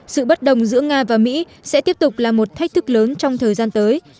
sự bất đồng giữa nga và mỹ sẽ tiếp tục là một thách thức lớn trong thời gian tới